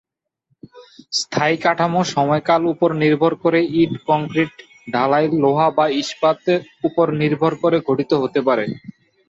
স্থায়ী কাঠামো সময়কাল উপর নির্ভর করে ইট, কংক্রিট, ঢালাই লোহা বা ইস্পাত উপর নির্ভর করে গঠিত হতে পারে।